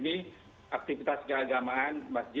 beransur menuju ke keadaan seperti ini